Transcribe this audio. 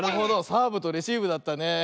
サーブとレシーブだったね。